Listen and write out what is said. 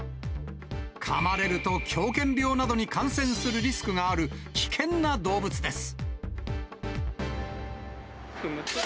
かまれると狂犬病などに感染するリスクがある危険な動物です。